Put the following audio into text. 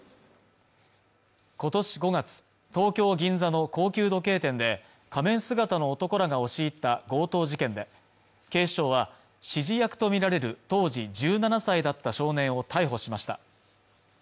今年５月東京銀座の高級時計店で仮面姿の男らが押し入った強盗事件で警視庁は指示役とみられる当時１７歳だった少年を逮捕しました